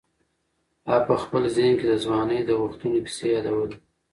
هغه په خپل ذهن کې د ځوانۍ د وختونو کیسې یادولې.